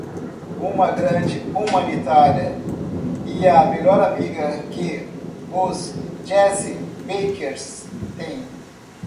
Uma grande humanitária e a melhor amiga que os Jessie Bakers têm.